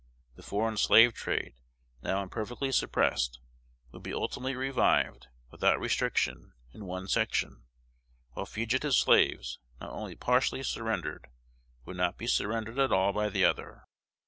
The foreign slave trade, now imperfectly suppressed, would be ultimately revived, without restriction, in one section; while fugitive slaves, now only partially surrendered, would not be surrendered at all by the other.